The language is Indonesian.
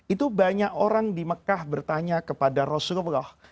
itu banyak orang di mekah bertanya kepada rasulullah